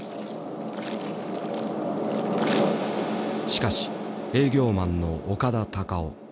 しかし営業マンの岡田隆夫。